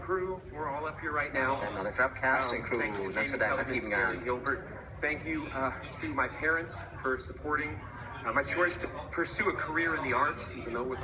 เราถือว่าประสบความสมมุติสูงสุดจากภาพยูทูปเรื่องในปีนี้เลยนะครับ